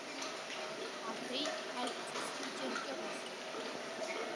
Аҳәеит ажәҵыс иҷырҷырыз.